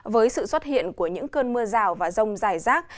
với sự xuất hiện của những cơn mưa rào và rông dài rác